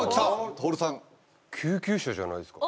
トオルさん救急車じゃないっすか？